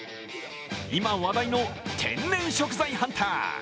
今、話題の天然食材ハンター。